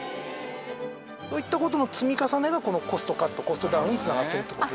そういった事の積み重ねがこのコストカットコストダウンに繋がってるって事ですよね。